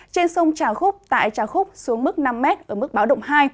trên sông trà khúc tại trà khúc xuống mức năm m ở mức báo động hai